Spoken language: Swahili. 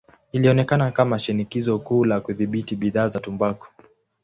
Ilionekana kama shinikizo kuu la kudhibiti bidhaa za tumbaku.